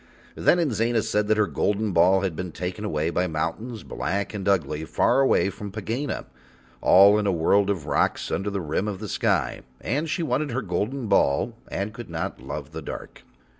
Then Inzana said that her golden ball had been taken away and hidden by mountains black and ugly, far away from Pegāna, all in a world of rocks under the rim of the sky, and she wanted her golden ball and could not love the dark.